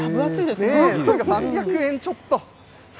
３００円ちょっと。